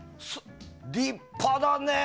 立派だね。